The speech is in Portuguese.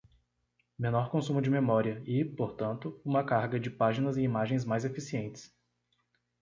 Menor consumo de memória e, portanto, uma carga de páginas e imagens mais eficientes.